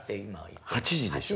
８時でしょ？